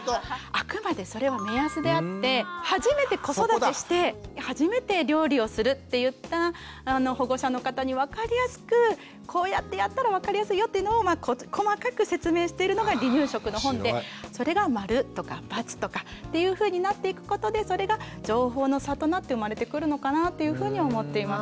あくまでそれは目安であって初めて子育てして初めて料理をするっていった保護者の方に分かりやすくこうやってやったら分かりやすいよっていうのを細かく説明しているのが離乳食の本でそれが○とか×とかというふうになっていくことでそれが情報の差となって生まれてくるのかなというふうに思っています。